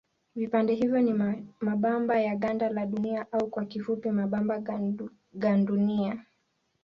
Vipande hivyo ni mabamba ya ganda la Dunia au kwa kifupi mabamba gandunia.